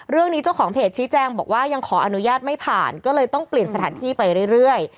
เจ้าของเพจชี้แจงบอกว่ายังขออนุญาตไม่ผ่านก็เลยต้องเปลี่ยนสถานที่ไปเรื่อย